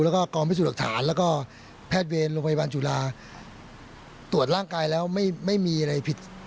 แล้วก็กองพิสูจน์หลักฐานแล้วก็แพทย์เวรโรงพยาบาลจุฬาตรวจร่างกายแล้วไม่มีอะไรผิด